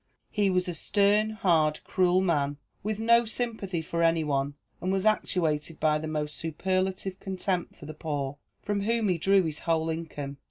He was a stern, hard, cruel man, with no sympathy for any one, and was actuated by the most superlative contempt for the poor, from whom he drew his whole income.